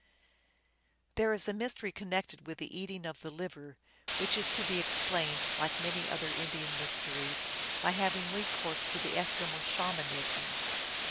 There is a mystery connected with the eating of the liver, which is to be explained, like many other Indian mysteries, by having recourse to the Eskimo Shaman ism.